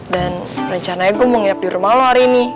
dan rencananya gue mau nginap di rumah lo hari ini